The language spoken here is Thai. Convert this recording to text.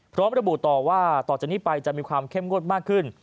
พร้อมระบุต่อว่าต่อจากนี้ไปจะมีความเข้มงวดมากขึ้น